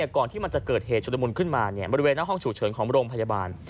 ก่อนที่มันจะเกิดเหตุชุดละมุนขึ้นมาบริเวณหน้าห้องฉุกเฉินของโรงพยาบาล